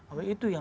apa itu yang